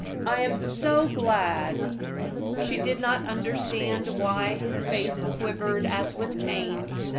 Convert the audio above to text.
I am so glad!" She did not understand why his face quivered, as with pain.